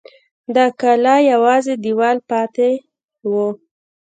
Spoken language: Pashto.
د کلا یوازې دېوال پاته و.